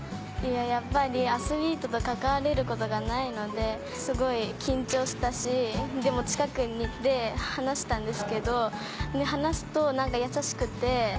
やっぱりアスリートと関われることがないのですごい緊張したしでも近くに行って話したんですけど話すと優しくて。